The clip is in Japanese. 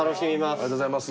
ありがとうございます。